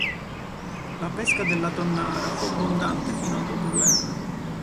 La pesca della tonnara fu abbondante fino al dopoguerra.